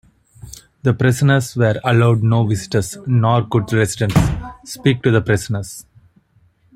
The prisoners were allowed no visitors, nor could residents speak to the prisoners.